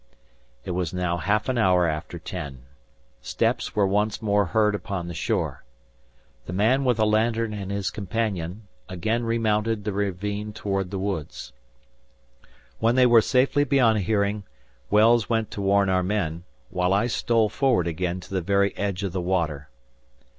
It was now half an hour after ten. Steps were once more heard upon the shore. The man with a lantern and his companion, again remounted the ravine toward the woods. When they were safely beyond hearing, Wells went to warn our men, while I stole forward again to the very edge of the water.